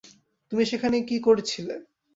তুমি সেখানে কী করছিলে?